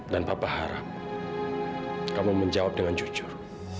dan papa harap kamu menjawab dengan jujur